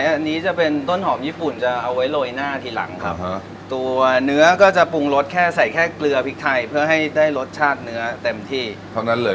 อันนี้จะเป็นต้นหอมญี่ปุ่นจะเอาไว้โรยหน้าทีหลังครับตัวเนื้อก็จะปรุงรสแค่ใส่แค่เกลือพริกไทยเพื่อให้ได้รสชาติเนื้อเต็มที่เท่านั้นเลย